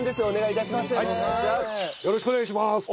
お願い致します。